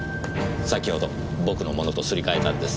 先ほど僕のものとすり替えたんです。